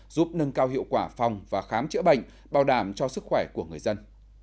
giúp nâng cao hiệu quả phòng và khám chữa bệnh bảo đảm cho sức khỏe của người dân